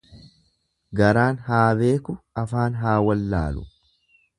Garaan haa beeku, afaan haa wallaalu.